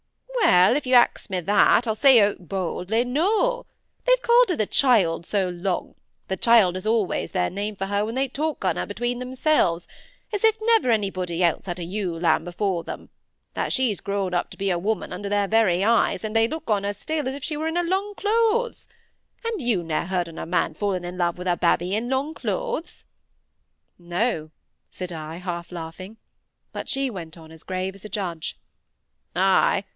"Well! if you axe me that, I'll say out boldly, 'No'. They've called her 'the child' so long—'the child' is always their name for her when they talk on her between themselves, as if never anybody else had a ewe lamb before them—that she's grown up to be a woman under their very eyes, and they look on her still as if she were in her long clothes. And you ne'er heard on a man falling in love wi' a babby in long clothes!" "No!" said I, half laughing. But she went on as grave as a judge. "Ay!